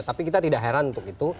tapi kita tidak heran untuk itu